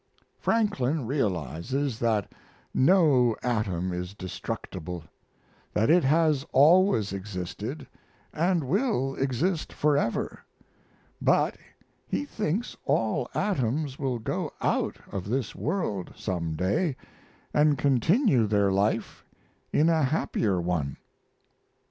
Franklin realizes that no atom is destructible; that it has always existed and will exist forever; but he thinks all atoms will go out of this world some day and continue their life in a happier one.